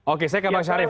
oke saya ke pak syarif